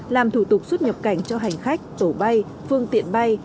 làm thủ tục xuất nhập cảnh cho hành khách tổ bay phương tiện bay